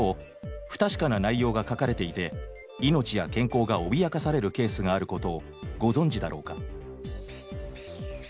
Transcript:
不確かな内容が書かれていて命や健康が脅かされるケースがあることをご存じだろうか。